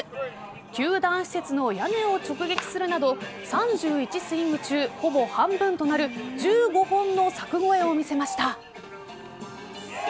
球団施設の屋根を直撃するなど３１スイング中、ほぼ半分となる１５本の柵越えを見せました。